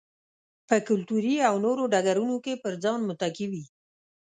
په کلتوري او نورو ډګرونو کې پر ځان متکي وي.